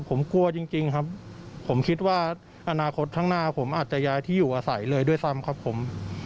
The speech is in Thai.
ผมกลัวจริงครับผมคิดว่าอนาคตข้างหน้าผมอาจจะย้ายที่อยู่อาศัยเลยด้วยซ้ำครับผม